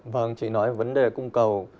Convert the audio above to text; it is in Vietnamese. vâng chị nói vấn đề cung cầu